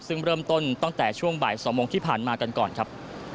ซึ่งเริ่มต้นตั้งแต่ช่วงบ่าย๒โมงที่ผ่านมากันก่อนครับ